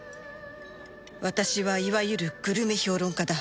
私はいわゆるグルメ評論家だ